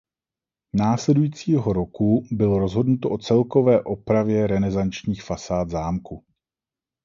Následujícího roku bylo rozhodnuto o celkové opravě renesančních fasád zámku.